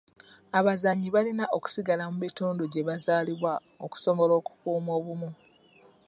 Abazannyi balina okusigala mu bitundu gye bazaalibwa okusobola okukuuma obumu.